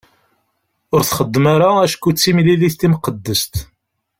Ur txeddmem ara acku d timlilit timqeddest.